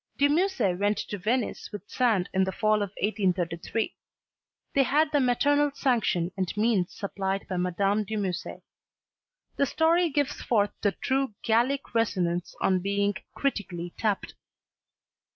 De Musset went to Venice with Sand in the fall of 1833. They had the maternal sanction and means supplied by Madame de Musset. The story gives forth the true Gallic resonance on being critically tapped.